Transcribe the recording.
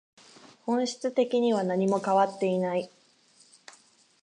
本質的には何も変わっていない